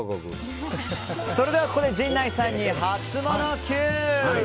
それではここで陣内さんにハツモノＱ。